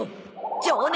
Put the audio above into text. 情熱！